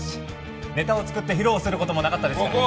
ネタを作って披露する事もなかったですから。